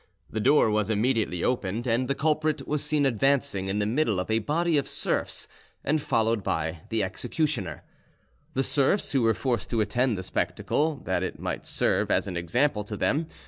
The door was immediately opened, and the culprit was seen advancing in the middle of a body of serfs and followed by the executioner. The serfs were forced to attend the spectacle, that it might serve as an example to them.